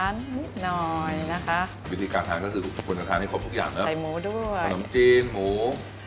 นิดหน่อยนะคะวิธีการทานก็คือทุกคนจะทานให้ครบทุกอย่างเนอะใส่หมูด้วยขนมจีนหมู